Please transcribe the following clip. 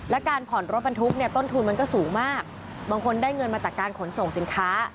และการผ่อนรถบรรทุกเนี่ยต้นทุนมันก็สูงมากบางคนได้เงินมาจากการขนส่งสินค้า